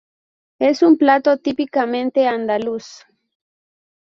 Es un plato típicamente andaluz.